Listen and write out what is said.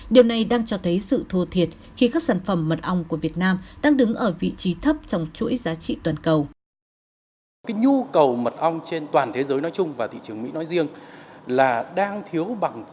điều này đang cho thấy sự thô thiệt khi các sản phẩm mật ong của việt nam đang đứng ở vị trí thấp trong chuỗi giá trị toàn cầu